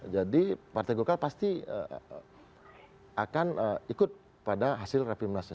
jadi partai gokal pasti akan ikut pada hasil rapimnas